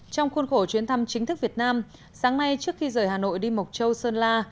trong khuôn khổ chuyến thăm chính thức việt nam sáng nay trước khi rời hà nội đi mộc châu sơn la